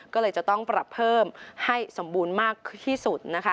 ก็เลยจะต้องปรับเพิ่มให้สมบูรณ์มากที่สุดนะคะ